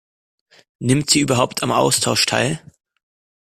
Nimmt sie überhaupt am Austausch teil?